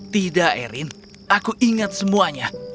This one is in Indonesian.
tidak erin aku ingat semuanya